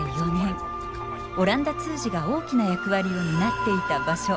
オランダ通詞が大きな役割を担っていた場所